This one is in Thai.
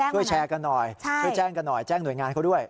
ช่วยแชร์กันหน่อยช่วยแจ้งกันหน่อยแจ้งหน่วยงานเขาด้วย